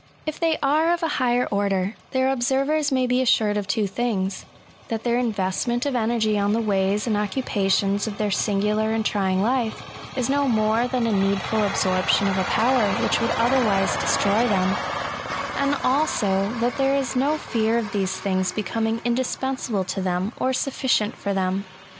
If they are of a higher order, their observers may be assured of two things — that their investment of energy on the ways and occupations of their singular and trying life, is no more than a needful absorption of a power which would otherwise destroy them ; and also, that there is no fear of these things becoming indispensable to them or sufficient for them.